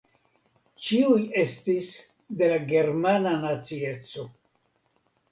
Ĉiuj estis de la germana nacieco.